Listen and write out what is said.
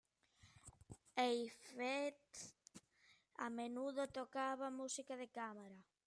Heifetz a menudo tocaba música de cámara.